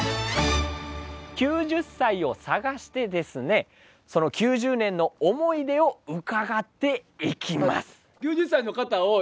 ９０歳を探してですねその９０年の思い出を伺っていきます。